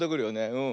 うん。